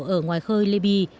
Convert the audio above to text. ở ngoài khơi libby